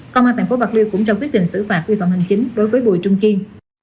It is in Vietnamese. công an tp bạc liêu cũng trong quyết định xử phạt vi phạm hành chính đối với bùi trung kiên